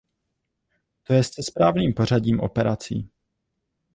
To jest se správným pořadím operací.